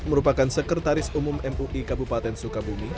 merupakan sekretaris umum mui kabupaten sukabumi